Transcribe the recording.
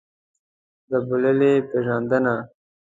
د بوللې پېژندنه.